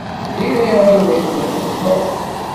Diri ayen akken xedmeɣ.